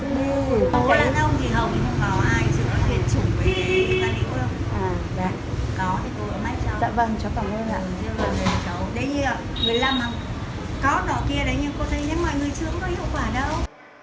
nhưng mà người chứ không có hiệu quả đâu